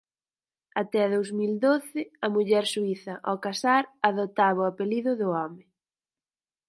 Até dous mil doce, a muller suíza, ao casar, adoptaba o apelido do home.